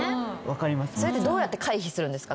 それってどうやって回避するんですか？